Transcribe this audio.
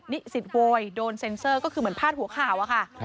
นิสิตโวยโดนเซ็นเซอร์ก็คือเหมือนพาดหัวข่าวอะค่ะ